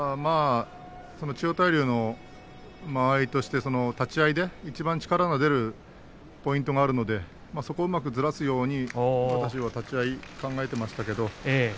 千代大龍の間合いとして立ち合いでいちばん力が出るポイントがあるのでそこをうまくずらすように私は立ち合いを考えていました。